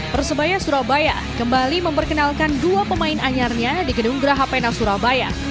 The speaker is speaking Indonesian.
persebaya surabaya kembali memperkenalkan dua pemain anyarnya di gedung graha pena surabaya